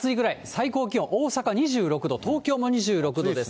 最高気温、大阪２６度、東京も２６度です。